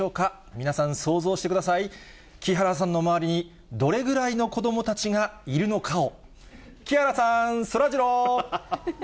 皆さん、想像してください、木原さんの周りにどれぐらいの子どもたちがいるのかを。